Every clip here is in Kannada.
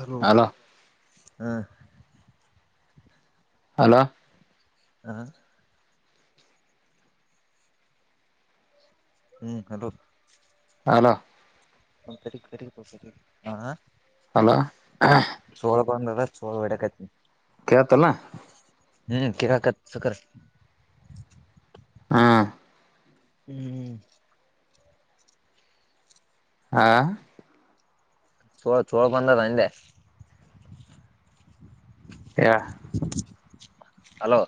ಹಲೋ ಹಾ. ಹಲೋ. ಹಾ. ಹ್ಮ್ ಹಲೋ. ಹಲೋ. ಆ. ಹಲೋ. ಚೋಳ ಬಂದಂದ ಚೋಳ ಹೋಡ್ಯಾಕತ್ತೆನಿ. ಕೇಲ್ತಲ್ಲ. ಹ್ಮ ಕೆಲಾಕತ್ ಸವಕರ್ರೆ. ಹಾ. ಹ್ಮ್. ಹಾ. ಚೋಳ ಚೋಳ ಬಂದದ ಅಂದೇ. [unintelligible] ಹೇಳ್. ಹಲೋ.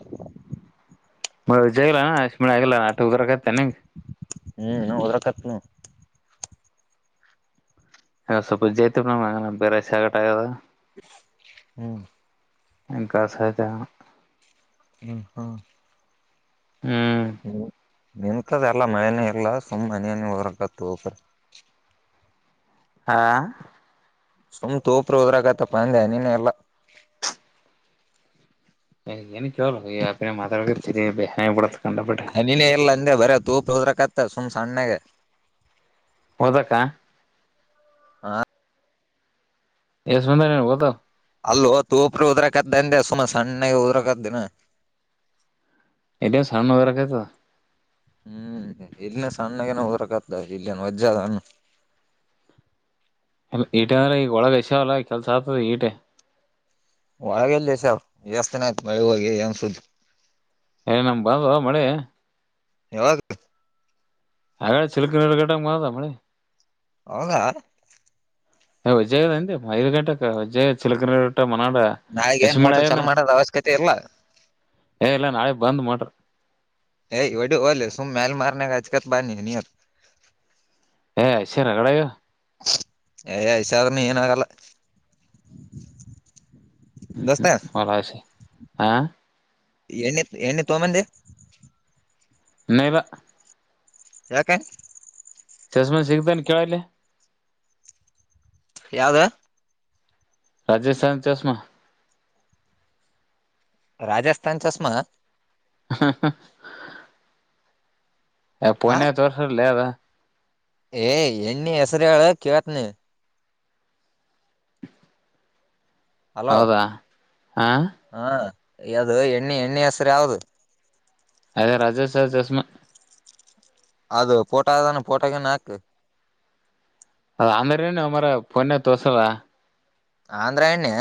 ಮ ವಿ ಜಯಗಲ್ಲ ಆಗಲ್ಲ ಆಟ ಬರಾಕತ್ತ ಎನ್ ನಿಂಗ. ಹ್ಮ್ ಏನೋ ವದ್ರಾಕತ್ತ ನೋಡ್. ಸ್ವಪಜ ಜಯತತಿ ಮಮ್ ಬೇರೆಸೆಗಟ್ ಆಗೆದ. ಹ್ಮ್. [unintelligible] ಹ್ಮ ಹ್ಮ. ಹ್ಮ್. ಹ್ಮ ನಿಂತದೆ ಎಲ್ಲ ಮಳನೇ ಇಲ್ಲ ಸುಮ್ಮ್ ಮನನ ಹೊರಗತ್ ಹೋಗ್ರಿ. ಹಾ. ಸುಮ್ ತೋಪ್ರ ಹೋದ್ರಾಗತ್ತಪ್ಪ ಅಂದೆ ನಿನ್ನೆ ಎಲ್ಲಾ. ಏನ ಕೇಳಲ ಈ ಮಾಡರಿ ಹಾಯಿಬಡ ಕಂಡಪಟ್ಟ. ನಿನ್ನೆ ಇಲ್ಲಾ ಅಂದೆ ಬರ ತೂಪ ಹೋದ್ರಕತ್ತ ಸುಮ್ ಸನ್ನೆಗೆ. ಹೌದ ಅಕ್ಕಾ. ಎಷ್ಟು ಬಂದನ್ ಹೋದೋ. ಅಲ್ಲೋ ತೂಪ್ರ ಉದ್ರಕದ್ದಂದೆ ಸುಮ ಸಣ್ಣಗೆ ಉದ್ರಕದ್ದಿನ. ಎಡ ಸಣ್ಣ ಉದ್ರಾಕತ್ತೆದ. ಹ್ಮ್ ಇಲ್ಲಿ ಸಣ್ಣಾಗನ ಉದರಕತ ಇಲ್ಲಿ ವಜ್ಜೆ ಅದ ಏನ. ಲ್ಲ ಈಟೆ ಅಂದ್ರ ಈಗ ಒಳಗ ಎಷ ಅಲ್ಲ ಕೆಲ್ಸ ಆಗ್ತದ ಈಟೆ. ಒಳಗಲ್ಲಸ ಎಸ್ತ ಆಯ್ತು ಮಳೆ ಹೋಗಿ ಏನ್ ಸುದ್ದ. ಏ ನಮ್ ಬಂದೋ ಮಳಿ. ಯಾವಾಗ. [unintelligible] ಹೌದಾ. [unintelligible] ಐದು ಗಂಟಕ್ಕ ಉಜ್ಯ್ ಚಿಲಕನೊ ಮನಾಬ. ನಾಳಿಗೆ ಏನ್ ಮೋಟರ್ ಚಾಲೂ ಮಾಡೋದ ಅವಶ್ಯಕತೆ ಇಲ್ಲಾ. ಏ ಇಲ್ಲ ನಾಳೆ ಬಂದ್ ಮೋಟರ್. ಏ ಒಡ ಒಲ್ಲ ಸುಮ್ ಮ್ಯಲ್ ಮಾರ್ನೆಗೆಗ ಅ್ಕತ್ ಬನಿ ನೀ. ಏ ಐ ಸಿ ರಗಢ ಆಗ್ಯಾವ್. ಐಸಿ ಆದ್ರ ನು ಏನ ಆಗಲ್ಲ. ಹ್ಮ್ ಹ್ಮ್ ಹೊಲಸ ಹಾ. ಎಣ್ಣಿ ಎಣ್ಣಿ ತಗಂಬಂದಿ. ನೈ ಬಾ. ಯಾಕ. ಚಸ್ಮೆನ್ ಸಿಗ್ತೇನೆ ಕೇಳ ಅಲ್ಲೆ. ಯಾವ್ದ. ರಾಜಸ್ಥಾನ ಚಸ್ಮಾ. ರಾಜಸ್ಥಾನ್ ಚಸ್ಮ. ಹಾ ಹ. ಯ ಆ ಪೋನನ್ಯಾಗ ತೋರಸ್ತಾರ್ ಅಲ್ಲೆ ಅದ. ಏ ಎಣ್ಣಿ ಹೆಸರು ಹೇಳ ಕೇಳ್ತಿನಿ. ಹಲೋ ಹೌದಾ ಹಾ. ಹಾ ಅದು ಎಣ್ಣೆ ಎಣ್ಣೆ ಹೆಸರು ಯಾವದು. ಅದ ರಾಜೇಶ ಚಸ್ಮಾ. ಅದು ಪೋಟೋ ಅದಾನ ಪೋಟಗನ್ ಹಾಕ್. ಅದ ಅಂದ್ರೇನು ಮರ ಪೊನ ತೋಸಲ್ಲ. ಆಂಧ್ರಾ ಎಣ್ಣೆ.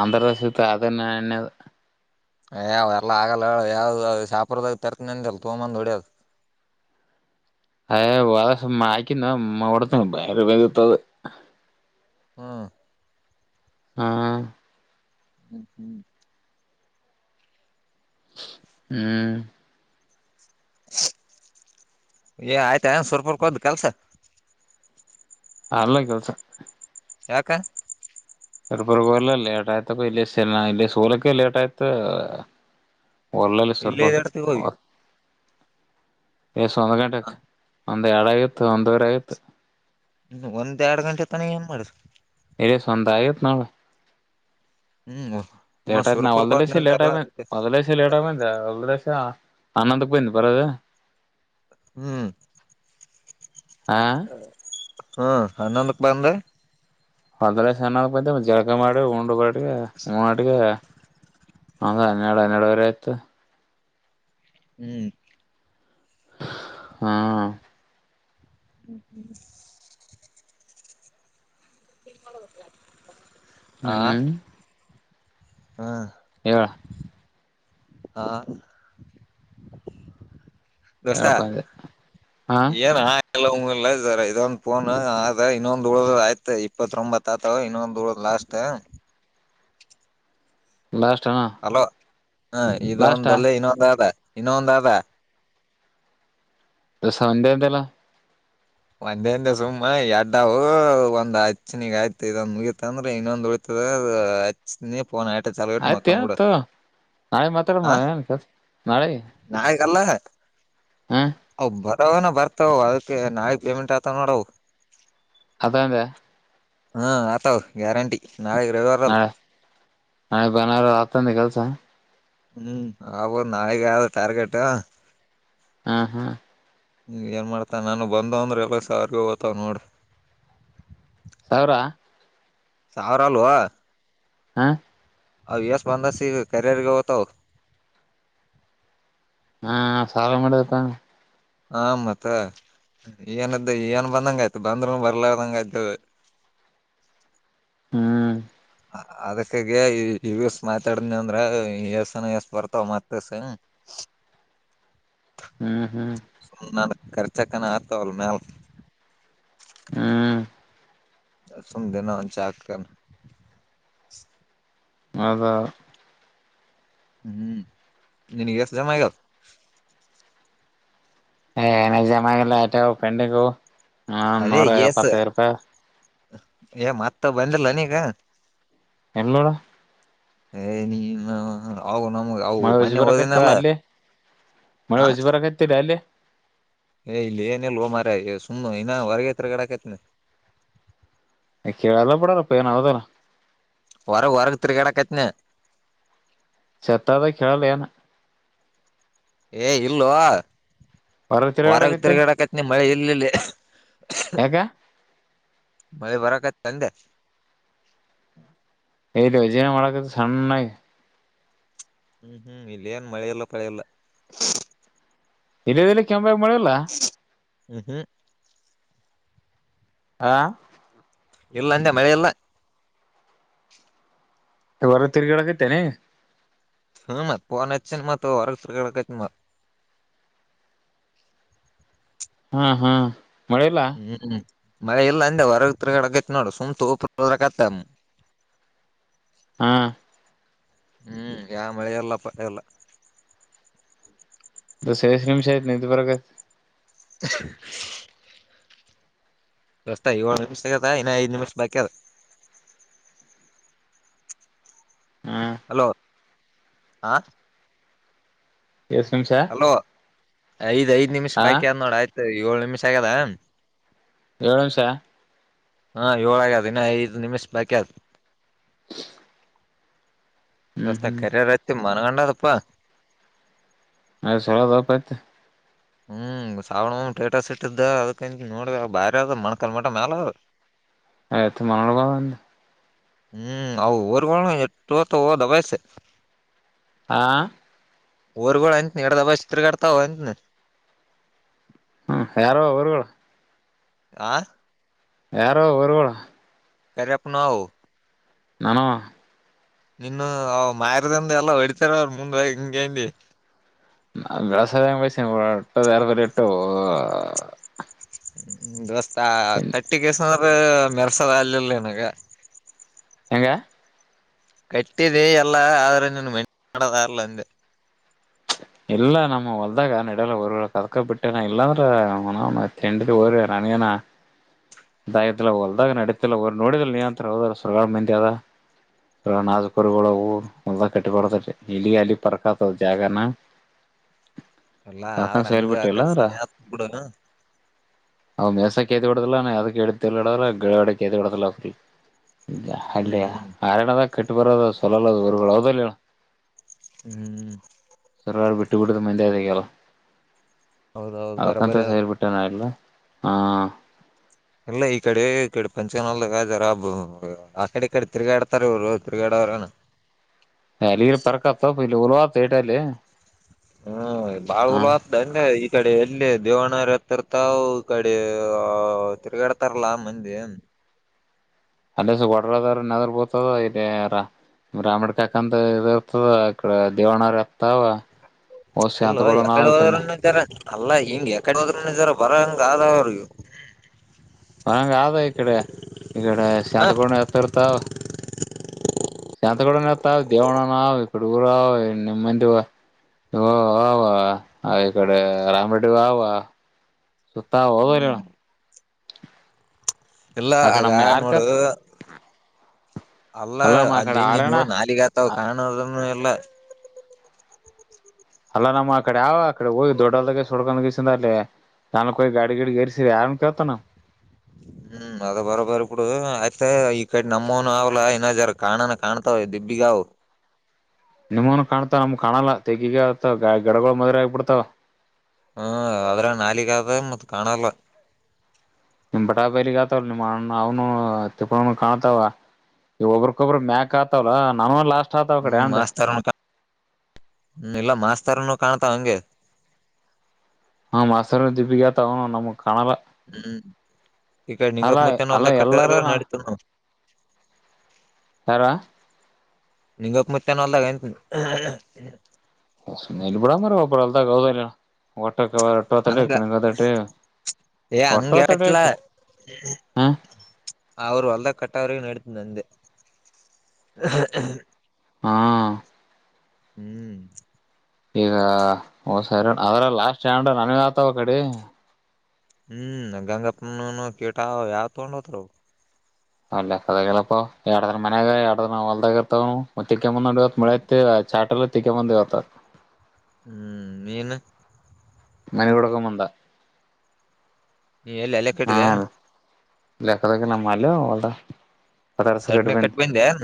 ಆಂಧ್ರ ಪ್ರೇಶ ತಧ ಅದು ಎಣ್ಣಿ ಅದ. ಯಾವ್ ಎಲ್ಲ ಆಗಲ್ಲ ಹೇಳ ಯಾವ್ದ ಶಾಹಾಪೂರದಾಗ ತರ್ಕ ನಿಂದಿಲ್ಲ ತುಂಬಂದ ಹೊಡ್ಯೋದು. ಅಯ ವಳ ಆಯ್ದ ಮಡತ ಬಯರೆ ಬರ್ತ. ಹಾ. ಹ್ಮ್ ಹ್ಮ್ ಹ್ಮ್ ಹ್ಮ್ ಏ ಆಯ್ತಾ ಸೂರಪುರ್ ಕ್ಕೆ ಹೋದ್ ಕೆಲಸ. ಅಲ್ಲೇ ಕೆಲಸ ಯಾಕ ಸೂರಪುರ್ ಹೋಗಿಲ್ಲ ಲೇಟ್ ಆಯ್ತು ತಗೋ ಇಲ್ಲಿ ಇಲ್ಲಿ ಸೋಲಕ್ಕೆ ಲೇಟ್ ಆಯ್ತು. ಒಳ್ಳಲ್ಲ ಇಲ್ಲೇ ಸೂರಪುರ್ ಇದಾಡ್ತಿವಿ ಹೋಗಿ ಕ ಎಸ್ ಒಂದ್ ಗಂಟೆ ಹ. ಆಯ್ತ್ ಒಂದು ಎರಡು ಆಗಿತ್ತು ಒಂದುವರೆ ಆಯಿತು. ಹ್ಮ ಒಂದು ಎರಡು ಗಂಟೆ ತಾನೇ ಏನ್ ಮಾಡೋದ್. ಏ ಸ್ವಂತ ಆಗತ್ ನೋಡ್ ಹ್ಮ್ ಮ ಲೇಟ್ ಆಯ್ತು ಸುರ್ಪುರ್ಕ ಹೊಲ್ದಲಸಿ ಲೇಟ್ ಹೋದ್ನಂತಲ್ಲ ಆಗಿ ಬಾ ಅದಕ್ಕೆ ಹೊಲದಲೈಸಿ ಲೇಟ್ ಆಗಿ ಬಂದ್ಯಾ ಹೊಲ್ದ ಲೈಸೆ ಹನ್ನೊಂದಕ್ಕೆ ಬಂದಿ ಬರೋದು. ಹ್ಮ್ ಹಾ ಹ್ಮ್ ಹನ್ನೊಂದಕ್ ಬಂದೆ. ಅಂದ್ರೆ ಹನ್ನೊಂದಕ್ಕೆ ಬಂದೆ ಒಂದ್ ಜಳಕ ಮಾಡಿ ಉಂಡು ಮಾಡಿ ಹೂ ಮಾಡಿ. ಅದೇ ಹನ್ನೆರಡು ಹನ್ನೆರಡುವರೆ ಆಯಿತು. ಹ್ಮ್ ಹ್ಮ ಹ್ಮ್ ಹ್ಮ್ ತಿಮಳಲ [unintelligible] ಹ್ಮ್ ಹಾ ಹೇಳ ಹಾ ದೋಸ್ತಾ ಹೇಳಪ್ಪ ಅಂದೆ ಹಾ ಏನ ಎಲ್ಲ ಹಂಗಲ್ಲರ್ ಇದೊಂದ್ ಫೋನ್ ಆದ ಇನ್ನೊಂದು ಉಳ ಆಯ್ತತ್ ಇಪ್ಪತ್ತೊಂಬತ್ ತ್ತತವ ಇನ್ನೊಂದು ದುಳ್ ಲಾಸ್ಟ್ ಲಾಸ್ಟ ಹಲೋ ಹ ಇದೊಂದೂ ಲ್ಲೇ ಇನ್ನೊಂದು ಆದ ಇನ್ನೊಂದ್ ಆದಾ ಹೆ ಸನ್ ಡೈರೆಕ್ಟ್ ಇಲ್ಲ. ಒಂದೇಂದು ಸುಮ್ಮ ಎಡ್ಡವು ಒಂದ್ ಹಚ್ಚನಿಗೆ ಆಯ್ತು ಇದೊಂದು ಮುಗೀತಂದ್ರೆ ಇನ್ನೊಂದ್ ತ್ತದ ಅದು ಹಚ್ಚಿನೀ ಫೋನ್ ಆಟ ಚಲ ಇಟ್ಟು ಆಯ್ತ ಮೊಕ್ಕಾಬೂಡು ಆಯ್ತು ನಾಳೆ ಮಾತಾಡಮ್ಮ ಆ ಏನ್ ಕೆಲ್ಸ ನಾಳಿಗಲ್ಲ. ಹ್ಮ ಅವ್ ಬರವನ ಬರ್ತಾವ ಅದಕ್ಕೆ ನಾಳಿಕ್ ಪೇಮೆಂಟ್ ಆತಾವ ನೋಡವು. ಆತ್ತವಂದೇ ಹ್ಮ ಆತಾವ ಗ್ಯಾರಂಟಿ ನಾಳೆ ರೆವೆ ಹಾ ನಾಳೆ ಭಾನರ ಆತಂದೆ ಕೆಲಸ ಹ್ಮ್ ಆವೂ ನಾಳಗೆ ಆದ ಟಾರ್ಗೆಟೂ ಹ್ಮ್ ಹ್ಮ್ ಏನ್ ಮಾಡ್ತಾನೇನೋ ನಾನು ಬಂದು ಅಂದ್ರೆ ಎಲ್ಲ ಸಾರ್ಗ ಅದೂ ಹೋತ್ತವ್ ನೋಡೂ ಸವಿರಾ. ಸಾವಿರ ಅಲ್ವೋ. ಹಾ. ಅವ್ಸ್ ಬಂದಸ ಈಗ ಕರಿರ್ಗೆ ಹೋಗ್ತಾವ. ಹಾ ಸಾಲ ಮಾಡಿದಪ್ಪ. ಹ ಮತ್ತ ಏನ್ದ ಏನ್ ಬಂದಂಗ ಆಯ್ತು ಬಂದ್ ಬರ್ಲದಂಗ ಆಯ್ತ. ಹ್ಮ್. ಅದಕ್ಕಾಗ ಇಗಸ್ ಮಾತಾಡನ ಅಂದ್ರ ಎಸನ ಎಷ್ಟ ಬರ್ತಾವ ಮತ್ತಸ. [inaudible] ಹ್ಮ್ ಸುಮ ನನ್ನ ಖರ್ಚಕ್ಕನ ಆತ ಅವಲ್ಲ ಮ್ಯಲ್. ಹ್ಮ್ ಅಸ ದಿನ ಜಾಕ. [unintelligible] ಅದ. ಹ್ಮ್ ನೀನೀಗ ಎಷ್ಟ ಜಮ ಆಗ್ಯಾವ್. ಏನ ಜಮ ಇಲ್ಲ ಆಟ ಪೆಂಡಿಂಗು ಹ ಅದೇ ನೂರ ಎಸ್ ಎಪ್ಪತ್ತೈದು ರೂಪಾಯಿ. ಏ ಮತ್ತ ಬಂದಿಲ್ಲ ನೀಗ. ಎನ್ನೋಡ. ಏ ನೀ ಅವು ನಮ್ಗೆ ಅವು ಮಳೆ ಉಜ್ಜಿ ಮೊನೆೆ ಬರಕತ್ತ ಹೋದನಲ್ಲ ಅಲ್ಲಿ ಆ. [unintelligible] ಏ ಇಲ್ಲ ಏನ್ ಈಲೋ ಮಾರ ಸುಮನ ವರ್ಗ ತೀರ್ಗ್ಯಾಡಾಕತ್ತಿನಿ. ಕೇಳಲ್ಲ ಬಡಾರಪ್ಪ ಏನ್ ಅದಾರಲ್ಲ. ಹೊರಗೆ ಹೊರಗಕ್ ತಿರ್ಗಡಕತ್ನ. ಚತ್ತದ ಕೇಳಲ್ ಏನ. ಏ ಇಲ್ಲೋ. ಹೊರ ಹೊರಗ ತಿರುಗಾಡಕತ್ತೆ ತಿರ್ಗಡಕತ್ನ ಮಳೆ ಇಲ್ಲ ಇಲ್ಲೇ. ಯಾಕ ಮಳೆ ಬರಾಕತ್ತ ಅಂದೇ. ದುಜನ ಮಾಡಳಕದು ಸಣ್ಣಾಗಿ. ಹ್ಮ್ ಹ್ಮ್ ಇಲ್ಲ ಏನ್ ಮಳೆಲ್ಲ ಪಳೆಲ್ಲ. ಇಲ್ಲ ಕೆಮ್ಮ ಮಾಡಲ್ಲ. ಹ್ಮ್ ಹ್ಮ್. ಆ. ಇಲ್ಲ ಅಂದೆ ಮಳೆ ಇಲ್ಲ. ಹೊರಗ ತಿರ್ಗಿಡಗೈತೇನೆ. ಹ್ಮ ಪೋನ್ನ್ ಮತ ಹೊರಗ ತಿರ್ಗಾಡಾಕತ್ನಿ ನಾ. ಹ್ಮ ಹ್ಮ ಮಳೆ ಇಲ್ಲ. ಹ್ಮ್ ಮಳೆ ಇಲ್ಲ ಅಂದೆ ಹೊರಗ್ ತಿಗಡೆಗೈತ್ ನೋಡು ಸುಮ್ ತೋಪದತ್ತ. ಹಾ. ಹ್ಮ್ ಯಾವ ಮಳೆ ಎಲ್ಲಪ್ಪ ಇಲ್ಲ. ದೋಸ್ತ ಎಸ್ ನಿಮಶ ಆತ ನಿದ್ದ ಬರಗ. [unintelligible] ರಸ್ತ ಏಳು ನಿಮಿಷ ಆಗದ ಇನ್ನ ಐದು ನಿಮಿಷ ಬಾಕಿ ಅದ. ಹಾ ಹಲೋ ಹಾ. ಎಸ್ ನಿಮಷಾ. ಹಲೋ ಐದ್ಐದ್ ನಿಮಿಷ್ ಹಾ ಬಾಕಿ ಅದ ನೋಡ ಆಯ್ತು ಏಳ್ ನಿಮಿಷ ಆಗ್ಯದ. ಏಳು ನಿಮಷ. ಹಾ ಏಳ ಅಗೆದ ಇನ ಐದು ನಿಮಿಷ ಬಾಕಿ ಅದ. ಹ್ಮ್ ದೋಸ್ತ ಹ್ಮ್ ಕರಿಯಗೈತಿ ಮನ್ಗೊಂಡದಪ್ಪಾ ಅಲ ಸೋಳದಪೈತಿ ಹ್ಮ್ ಸಾವಣಮ್ಮ ಟೇಟಾಸ್ ಇಟ್ಟಿದ್ದ ಅದಕ ನೋಡ ಬಾರಿ ಅದ್ ಮಣ್ಕಲ್ ಮಟ ಮೇಲೂ ಹೆತ್ ಮಂಗಳಗೊಂದ್ ಹ್ಮ್ ಅವು ಊರಗ್ ಎತ್ತು ಒತ್ತವೊ ದಬಾಯಿಸಿ. ಹಾ ಊರುಗಳು ಅಂತ ಎರಡದಾಬಯಿಸಿ ತಿರಗಡತ್ತಾವ್ ಅಂತನಿ ಹ್ಮ್ ಯಾರೋ ಊರುಗಳು ಆ ಯಾರೋ ಊರುಗಳು ಕರಿಯಪ್ಪನೋವ್ ನಮ್ಮವ ನಿನ್ನು ಅವ ಮಾರದಿಂದ ಎಲ್ಲಾ ಹೊಡಿತಾರ ಅವರು ಮುಂದ್ ಹಿಂಗಾ ಅಂದೀ ನಾ ಬೆಳಸಾಯ ಹೆಂಗೆ ಬಯತೀ ಒಟ್ಟದ ಅರವ ಎಟ್ಟುವೋ ಹ ದೋಸ್ತಾ ತಟ್ಟಿ ಸಾರು ಮೆರೆಸೋದು ಆಗಿಲ್ಲ ನಿನಗ ಹೆಂಗ ಕಟ್ಟಿದೆ ಎಲ್ಲಾ ಆದ್ರೆ ನನ್ ಮೆಟ್ ಮಾಡದಾರಲ್ಲ ಅಂದ. ಎಲ್ಲ ನಮ್ಮ ಹೊಲ್ದಾಗ ನಡಲ್ಲ ತರ್ಕ ಕದಕೊ ಬಿಟ್ಟೆನ ಇಲ್ಲಾಂದ್ರೆ [unintelligible] ಎಂಟಿ ಹೋದರೇ ರಾಣಯಾನ ಸಯತ್ತಲ್ಲ ಹೊಲ್ದಾಗ ನಡತಿಲ್ಲ ನೋಡಿದ್ರೆ ನೀಯಂತ್ರ ಹೋದ ಸುಡುಗಾಡು ಮಂದಿಯಾಗ. ನಕರುಗಳು ಒ ಹೊಲ್ದಾಗ ಕಟ್ಟಿ ಬಾರತೈತಿ ಇಲ್ಲಿ ಅಲ್ಲಿ ಪರ್ಕತ್ ಜಾಗನ. [unintelligible] ಇಲ್ಲಾ ಸಾಕಂಡ್ ಆದ್ರೆ ಸೈಲ್ ಹಂಗ್ ಆ ಬಿಟ್ಟಿಲ್ಲ ಅವ್ರ ಕಡೆ ಹಾತ್ ಬುಡನು ಅವ್ ಮೆಸಕೇತಿಡದಲ್ಲಾ ಅದಕ್ಕೆ ಇಡದ ಗಾಡದ್ ಕೇತಿಡದಲ್ಲ ಫ್ರೀ ಇದ ಹ್ಮ್ ಅಲ್ಲಯ ಹ್ಮ್ ಆರನದಾಗ ಕಟ್ಟೂ ಬರೋದು ಸಲ್ಲ ಹೊರ್ ಹೌದಲ್ಲ ಹೇಳ್ ಹ್ಮ್ ಸರ್ ಬಿಟ್ಟು ಬಿಡದ ಮಂದೆಗಲ್ಲ ಹೌದೌದು ಅಕಂತ ಬರಬರಿ ಅದ ಸರ್ ಬಿಟ್ಟ್ ಬಿಟ್ಯಾನ ಎಲ್ಲಾ ಹ್ಮ್ ಇಲ್ಲ ಈಕಡೆ ಈಕಡೆ ಪಂಚಿಕೊಂಡಲ್ಲು ಕದುರಾಬ ಅಕಡೆ ಈಕಡೆ ತಿರುಗಾಡ್ತಾರೆ ಇವರು ತಿರುಗಾಡವರನ್ನೂ ಅಲ್ಲಿರ್ ಪರಕತ್ತ ಇಲ್ಲಿ ಉಲ್ವತ ಏಟಲ್ಲಿ ಹ್ಮ್ ಬಾರಲ್ ಉಲತ್ ಅನ್ನ ಈ ಕಡೆ ಎಲ್ಲಿ ದೇವಣ್ಣ ಅವರ್ ಹತ್ತಿರ್ತವು ಈ ಕಡೆ ತಿರುಗಡ್ ತರ್ಲಾ ಮಂದಿ ಅಂದ ಸ ಕೊಡ್ರದಾರ ನದರು ಬತದ ಇರ ರಾಮಡ್ ಕಾಕ ಅಂತ ಇ ಇರ್ತದ ಇಡೆ ದೇವಣರು ಇತಾವ. ಓ ಶಾಂತ್ ಕೂಡ ನಾವು ಯಾಕ್ ಕಡಿಮೆ ಇತರ ಅಲ್ಲಾ ಹಿಂಗೆ ಯಕಡೆ ಹದ್ರ ಇದಾರ ಬರ ಹಂಗ ಆದ ಅವ್ರೂ. ಹಂಗ ಅದ ಈಕಡೆ ಈಕಡೆ ಹ ಶಾಂತಕೋಣ್ ಇರತ್ರತವ್ ಶಾಂತ ಕೂಡ ನ ಎತ್ತಾವ ದೇವಣನಾ ಇಕ್ಕಡ ಊರ ನಿಮ್ಮಂದಿ ಓಹ ವವಾ ಈ ಕಡೆ ರಾಮರೆಡ್ಡಿ ವವಾ ತಾ ಹೋರ್ಯಾ ಇಲ್ಲ ಆ ಕಡೆ ಆಗ ನಮ್ಮ ನೋಡ್ದು ಯಾರ್ಕತ್ ಅಲ್ಲ ಅಲ್ಲಮ್ಮ ಆ ಕಡೆ ಅಲ್ಲಿ ಆರಣ ನೀನು ನಾಲಿಗೆ ಆತಾವ ಕಾಣದಿನು ಇಲ್ಲ ಅಲ್ಲ ನಮ್ಮ ಅ ಕಡೆ ಯ ಆಕಡೆ ಹೋಗಿ ದೊಡ್ಡಲ್ದಾಗೆ ಸುಡ್ಕೊಂಡ ಗಸಿಂದ ಅಲ್ಲಿ ತಾನ ಗಾಡಿ ಗಡಿ ಗರಿಸಿ ಆರಾಮ ಕತೋ ಹಾ ಹ್ಮ ಅದ ಬರೋಬರ್ ಇು ಆಯ್ತ ಈ ಕಡೆ ನಮ್ಮೋನು ಅವ್ಲ ಇನ ಜರ ಕಾಣ ಕಾಣ್ತಾವ ದಿಬ್ಬಿಗಾವು. ನಿಮ್ಮನು ಕಾಣ್ತಾವ ನಮ್ ಕಾಣಲ್ಲ ತೆಗಿಗ ಅ ಗಡಗಳು ಮದುವೆ ಆಗಿ ಬಿಡ್ತಾವ. ಹ್ಮ ಅದ್ರ ನಾಲಿಗ್ ಆದದ ಮತ್ ಕಾಣಲ್ಲ. ನಿಮ್ ಬಟಾ ಬೈಲಿಗ್ ಆತವಲ್ ನಿಮ್ಮ್ಣ್ಣ ಅವನು ತಿಕ್ಕನು ಕಾಣ್ತಾವ. ಇ ಒಬಕೊಬ್ರ ಮ್ಯಾಕ್ ಆತವಲ್ಲ ನಾವ ಲಾಸ್ಟ್. ಆತಾವ ಕಡೆ ಹ್ಮ್ ಅಂಡ್ ಮಾಸ್ತರ್ನು ಹ್ಮ ಇಲ್ಲ ಮಾಸ್ತರ್ನು ಕಾಣ್ತಾ ಹಂಗೆ. ಹ್ಮ ಮಸರು ದೀಪಿಕಾ ತಗನು ನಮ್ ಕಾಣಲ್ಲ. ಹ್ಮ್ ಈಗ ನಿಂಗ ಅಲ್ಲ ಅಲ್ಲ ಮತಾನಲ್ದ ಎಲ್ಲಾರ ಕಟ್ಟದ ನಾನ ನಡತ ನವು. ಯಾರ ನಿಂಗಪ್ಪ ಮತ್ತನ ಅಲ್ದಾಗ ಎಂತ. ಬುಡ ಮರ ಒಪ ಅಲ್ದ ಗೌದ ಒಟ್ಟ ಅ ತ ಕಣಕ ತಟ. ಹೇ ಹಂಗ ಹೇಳಾಕತ್ತಿಲ್ಲ. ಹ ಅವ್ರು ಹೊಲ್ದ ಕಟ್ಟವ್ರಗೆ ನಡತ ಅಂದೇ. ಹಾ ಹ್ಮ್ ಈಗ ಸರಿ ಅದ್ರ ಲಾಸ್ಟ್ ಸಟ್ಯಾಂಡ ನನ್ ಆತಾವ ಕಡೆ. ಹ್ಮ್ ನ ಗಂಗಪ್ಪನ ಕೇಟ ಯಾವ್ ತಗೊಂಡ್ ಹೋತ್ರಾವ. ಅಲ್ಲ ಕದ ಹೇಳೇಳಪ್ಪ ಎರಡದ್ರ ಮನ್ಯಾಗ ಎರಡ್ರ ಅಲ್ದಾಗ ಇರ್ತಾವನು. ಮತ್ತಕ್ಕೆಂದ ಇತ್ ಮಳ ಚಾಟಲ್ಲ ತ ಬಂದಿ ಇತ್ತ. ಹ್ಮ್ ನಿನ್ ನನಗೆ ಕೊಡಕ ಬಂದ. ನೀ ಎಲ್ಲಿ ಅಲ್ಲೇ ಕಟ್ಟಿದೆ ಏನ್. ಇಲೆಕ್ಕದ ನಮ್ಮಲ್ಲ ಒ ಕದರ್ಸ ಸಡ್ನೆ ಕೆಡುಬ. ಕಟ್ ಬಂದೇನ್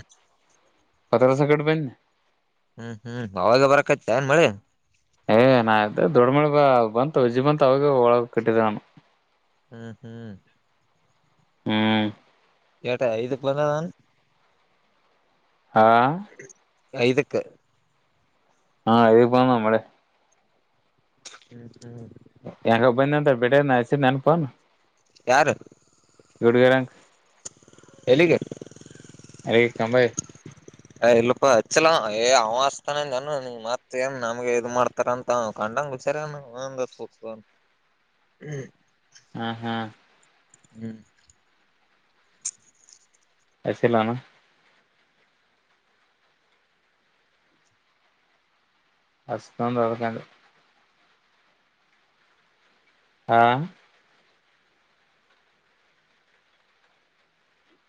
ಪತತ್ರಾಸಕ ಬನ್ನೆ. ಹ್ಮ್ ಹ್ಮ್ ಅವಾಗ ಬರಕೈತ್ತನ್ ಮಳಿ. ಏ ನಾದ ದೊಡ್ಡ್ಮೇಳ ಬ ಬಂತ ವಜ್ಜಿ ಬಂತತ್ ಅವಾಗ ಒಳಗ ಕಟ್ಟಿದ ನಾನು. ಹ್ಮ್ ಹ್ಮ್ ಹ್ಮ್ ಎಟಾ ಐದುಕ್ ಬಂದದನ್. ಹಾ ಐದಕ್ಕ. ಹಾ ಈಗ್ ಬಂಧನ್ ಮಳೆ. ಹ್ಮ ಹ್ಮ ಹೆಂಗ ಬಂದ ಅಂತ ಬಿಡ ಆಸ ನೆನ್ಪನು. ಯಾರು. ಗೋಡುಗರಂ ಎಲಿಗೆ. ಏಯ್ ತಂಬಾ. ಅ ಇಲ್ಲಪ ಅಚ್ಚಲ ಏ ಅವ ಅಸ್ತಾನಂದಾನ ಮತ್ ಏನ್ ನಮಗೆ ಇದು ಮಾಡ್ತ ತರ ಅಂತ ಕಂಡಚಾರತ್ಮ. ಹ್ಮ ಹ್ಮ್ ಹ್ಮ್ ಹಚ್ಚಿಲಾನ್. ಹಚ್ತಾ ಅಂದ್ ಅದ್ಕೆ ಅಂದೇ. ಹಾ